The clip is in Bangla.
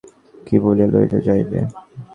কী বলিয়া লইয়া যাইব।